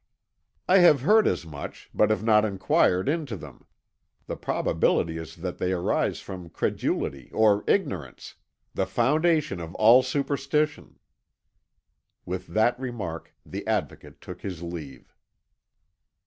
"I have heard as much, but have not inquired into them. The probability is that they arise from credulity or ignorance, the foundation of all superstition." With that remark the Advocate took his leave.